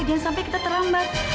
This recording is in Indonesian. jangan sampai kita terlambat